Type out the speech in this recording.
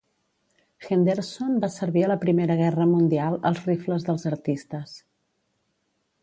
Henderson va servir a la Primera Guerra Mundial als Rifles dels Artistes.